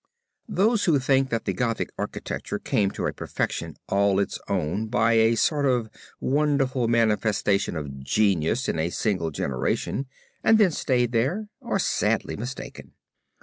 Those who think that the Gothic architecture came to a perfection all its own by a sort of wonderful manifestation of genius in a single generation, and then stayed there, are sadly mistaken.